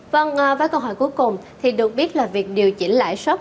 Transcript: vâng với câu hỏi cuối cùng thì được biết là việc điều chỉnh lãi suất